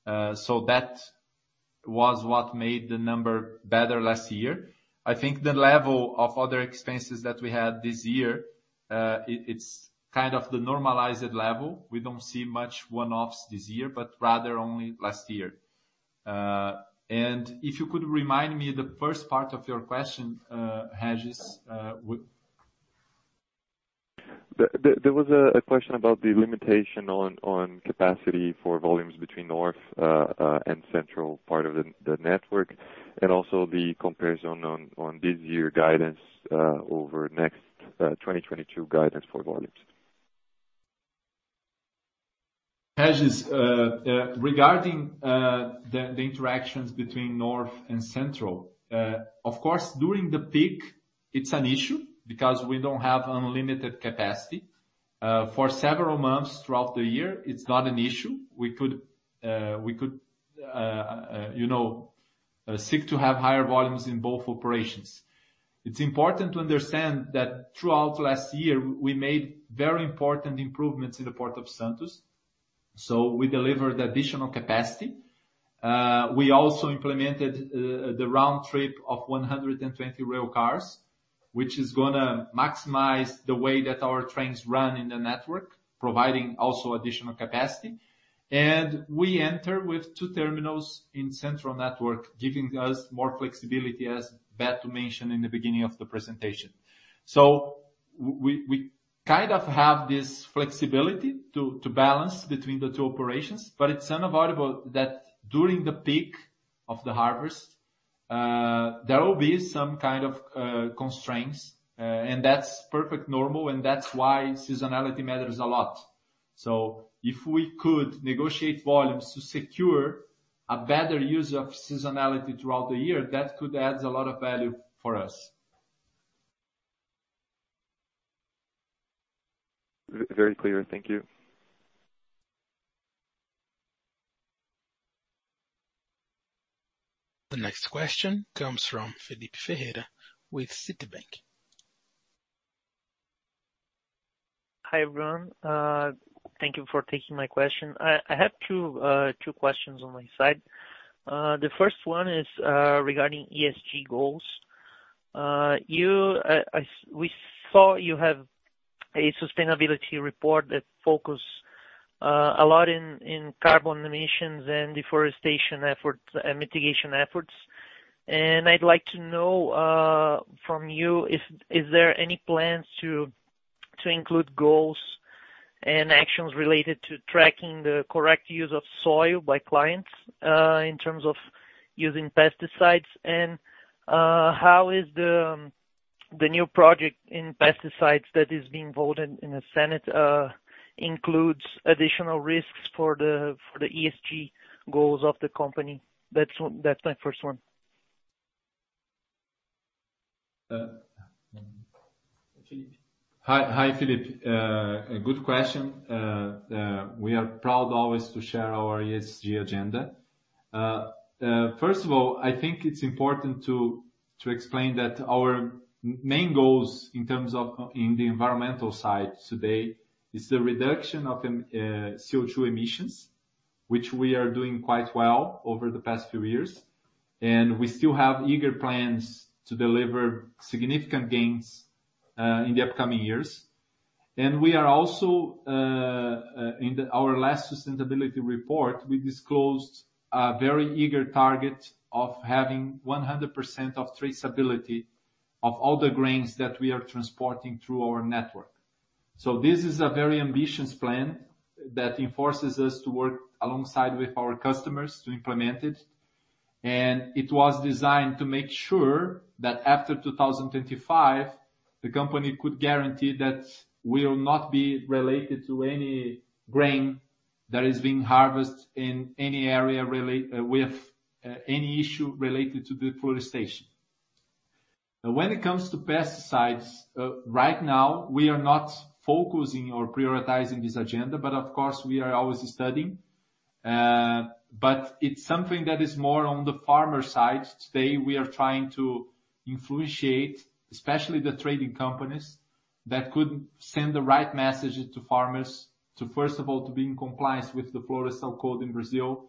That was what made the number better last year. I think the level of other expenses that we had this year, it's kind of the normalized level. We don't see much one-offs this year, but rather only last year. If you could remind me the first part of your question, Regis, w- There was a question about the limitation on capacity for volumes between North and Central part of the network, and also the comparison on this year guidance over next 2022 guidance for volumes. Regis, regarding the interactions between north and central, of course, during the peak it's an issue because we don't have unlimited capacity. For several months throughout the year, it's not an issue. We could, you know, seek to have higher volumes in both operations. It's important to understand that throughout last year, we made very important improvements in the Port of Santos, so we delivered additional capacity. We also implemented the round trip of 120 rail cars, which is gonna maximize the way that our trains run in the network, providing also additional capacity. We enter with two terminals in Central Network, giving us more flexibility, as Beto mentioned in the beginning of the presentation. We kind of have this flexibility to balance between the two operations, but it's unavoidable that during the peak of the harvest, there will be some kind of constraints. That's perfectly normal, and that's why seasonality matters a lot. If we could negotiate volumes to secure a better use of seasonality throughout the year, that could add a lot of value for us. Very clear. Thank you. The next question comes from Filipe Ferreira with Citi. Hi, everyone. Thank you for taking my question. I have two questions on my side. The first one is regarding ESG goals. We saw you have a sustainability report that focus a lot in carbon emissions and deforestation efforts, mitigation efforts. I'd like to know from you if there are any plans to include goals and actions related to tracking the correct use of soil by clients in terms of using pesticides? How is the new project in pesticides that is being voted in the Senate includes additional risks for the ESG goals of the company? That's my first one. Hi, Felipe. A good question. We are proud always to share our ESG agenda. First of all, I think it's important to explain that our main goals in terms of the environmental side today is the reduction of CO2 emissions, which we are doing quite well over the past few years, and we still have aggressive plans to deliver significant gains in the upcoming years. In our last sustainability report, we also disclosed a very aggressive target of having 100% traceability of all the grains that we are transporting through our network. This is a very ambitious plan that forces us to work alongside with our customers to implement it. It was designed to make sure that after 2025, the company could guarantee that we will not be related to any grain that is being harvested in any area related to any issue related to deforestation. When it comes to pesticides, right now we are not focusing or prioritizing this agenda, but of course we are always studying. But it's something that is more on the farmer side. Today we are trying to influence, especially the trading companies, that could send the right message to farmers to, first of all, to be in compliance with the Forest Code in Brazil,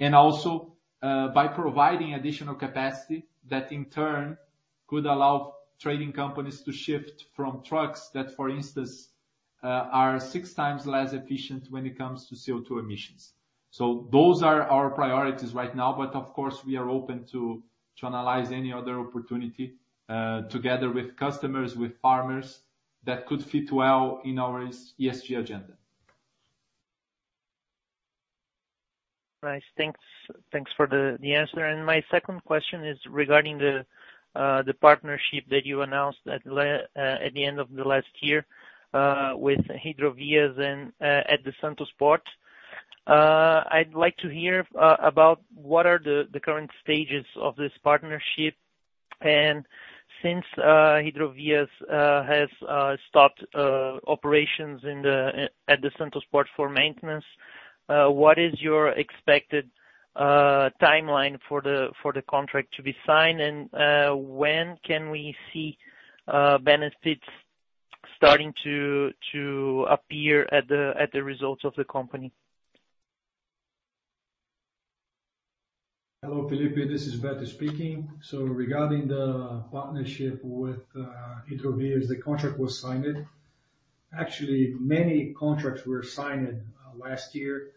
and also, by providing additional capacity that in turn could allow trading companies to shift from trucks that, for instance, are six times less efficient when it comes to CO2 emissions. Those are our priorities right now. Of course, we are open to analyze any other opportunity, together with customers, with farmers, that could fit well in our ESG agenda. Nice. Thanks for the answer. My second question is regarding the partnership that you announced at the end of last year with Hidrovias at the Port of Santos. I'd like to hear about what are the current stages of this partnership. Since Hidrovias has stopped operations at the Port of Santos for maintenance, what is your expected timeline for the contract to be signed? When can we see benefits starting to appear at the results of the company? Hello, Felipe. This is Beto speaking. Regarding the partnership with Hidrovias, the contract was signed. Actually, many contracts were signed last year.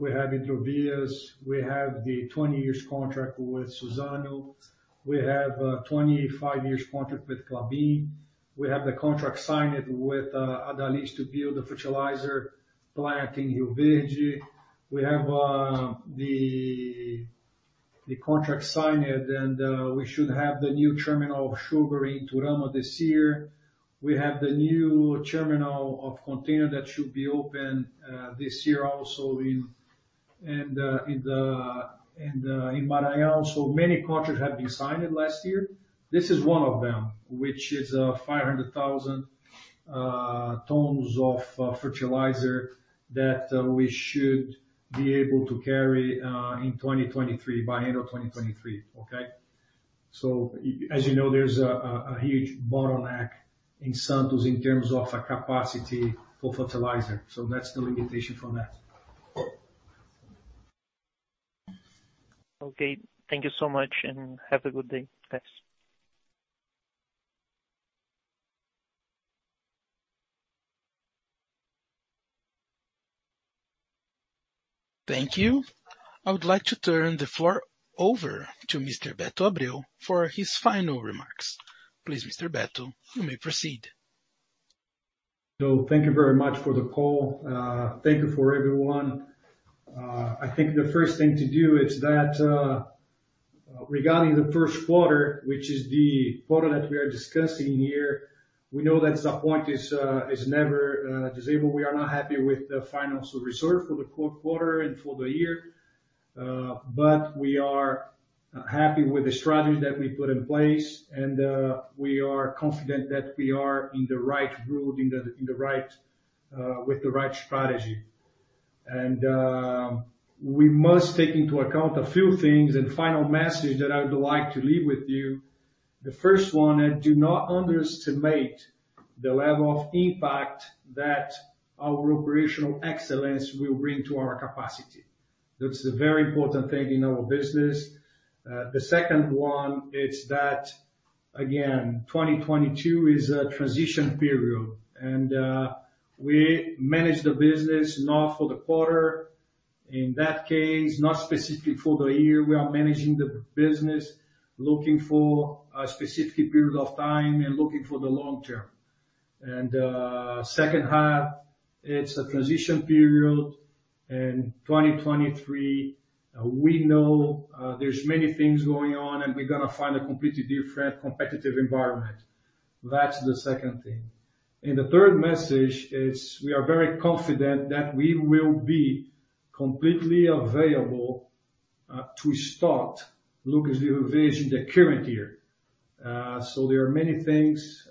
We have Hidrovias, we have the 20-year contract with Suzano. We have a 25-year contract with Klabin. We have the contract signed with ADAMA to build the fertilizer plant in Rio Verde. We have the contract signed, and we should have the new terminal of sugar in Iturama this year. We have the new terminal of container that should be open this year also in Maranhão. Many contracts have been signed last year. This is one of them, which is 500,000 tons of fertilizer that we should be able to carry in 2023, by end of 2023. Okay? As you know, there's a huge bottleneck in Santos in terms of a capacity for fertilizer. That's the limitation from that. Okay. Thank you so much, and have a good day. Thanks. Thank you. I would like to turn the floor over to Mr. Beto Abreu for his final remarks. Please, Mr. Beto, you may proceed. Thank you very much for the call. Thank you for everyone. I think the first thing to do is that, regarding the first quarter, which is the quarter that we are discussing here, we know that is never disabled. We are not happy with the financial results for the fourth quarter and for the year. We are happy with the strategies that we put in place. We are confident that we are in the right route with the right strategy. We must take into account a few things and final message that I would like to leave with you. The first one, I do not underestimate the level of impact that our operational excellence will bring to our capacity. That's a very important thing in our business. The second one is that, again, 2022 is a transition period. We manage the business not for the quarter, in that case, not specifically for the year. We are managing the business looking for a specific period of time and looking for the long term. Second half, it's a transition period. In 2023, we know, there's many things going on, and we're gonna find a completely different competitive environment. That's the second thing. The third message is we are very confident that we will be completely available to start Lucas do Rio Verde in the current year. So there are many things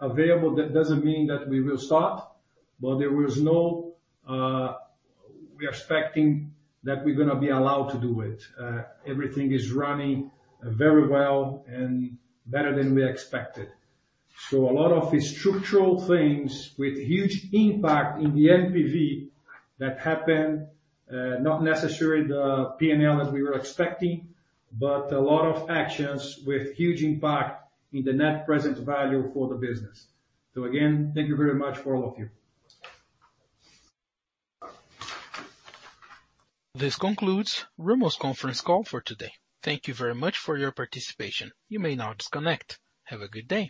available. That doesn't mean that we will start, but there is no, we are expecting that we're gonna be allowed to do it. Everything is running very well and better than we expected. A lot of the structural things with huge impact in the NPV that happened, not necessarily the P&L as we were expecting, but a lot of actions with huge impact in the net present value for the business. Again, thank you very much for all of you. This concludes Rumo's conference call for today. Thank you very much for your participation. You may now disconnect. Have a good day.